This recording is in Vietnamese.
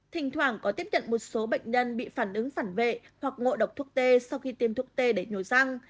thỉnh thoảng có tiếp nhận một số bệnh nhân bị phản ứng phản vệ hoặc ngộ độc thuốc t sau khi tiêm thuốc tê để nhồi răng